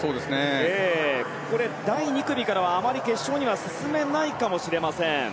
第２組からはあまり決勝には進めないかもしれません。